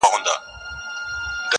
• مناجات -